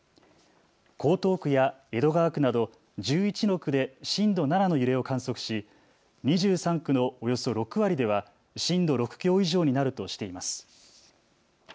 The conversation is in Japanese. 江東区や江戸川区など１１の区で震度７の揺れを観測し２３区のおよそ６割では震度６強以上になるとしています。